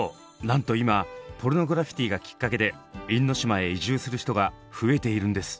なんと今ポルノグラフィティがきっかけで因島へ移住する人が増えているんです。